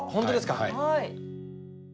はい。